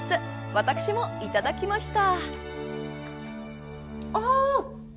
私もいただきました。